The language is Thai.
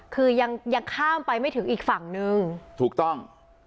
คือยังยังข้ามไปไม่ถึงอีกฝั่งนึงถูกต้อง